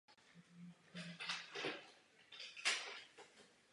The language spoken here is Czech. Jsme proti nepovinnému kodexu chování, ale pro účinný vynucovací mechanismus.